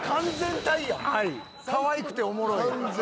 かわいくておもろい。